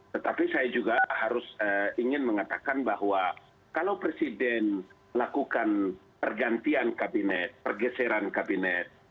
tetapi saya juga harus ingin mengatakan bahwa kalau presiden lakukan pergantian kabinet pergeseran kabinet